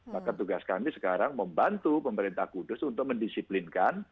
maka tugas kami sekarang membantu pemerintah kudus untuk mendisiplinkan